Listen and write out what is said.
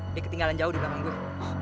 dia ketinggalan jauh di belakang gue